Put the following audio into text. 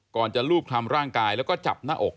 ก่อนจะลูบทำร่างกายแล้วก็จับหน้าอก